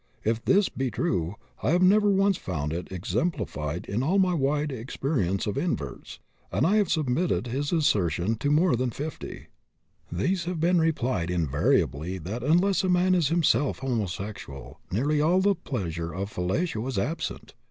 If this be true, I have never once found it exemplified in all my wide experience of inverts; and I have submitted his assertion to more than 50. These have replied invariably that unless a man is himself homosexual, nearly all the pleasure of fellatio is absent.